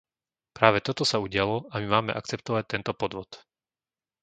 Práve toto sa udialo a my máme akceptovať tento podvod.